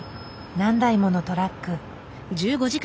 何台ものトラック。